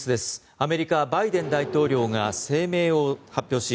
アメリカ、バイデン大統領が声明を発表し